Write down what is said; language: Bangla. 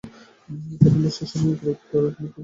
প্রথমবার সেশন শুরুর সময় তোমাকে কি বলেছিলাম মনে আছে?